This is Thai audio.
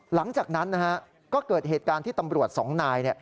หลังจากนั้นก็เกิดเหตุการณ์ที่ตำรวจสองนาย